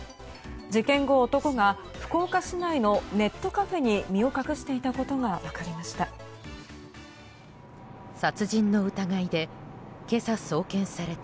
事件後、男が福岡市内のネットカフェに身を隠していたことが分かりました。